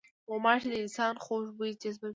غوماشې د انسان خوږ بوی جذبوي.